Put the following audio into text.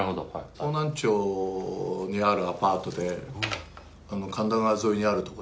方南町にあるアパートで神田川沿いにあるとこで。